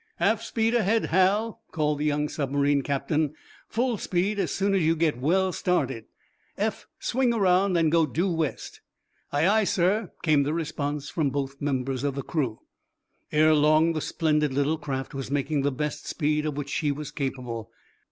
"Half speed ahead, Hal," called the young submarine captain. "Full speed as soon as you get well started. Eph, swing around and go due west." "Aye, aye, sir," came the response, from both members of the crew. Erelong the splendid little craft was making the best speed of which she was capable.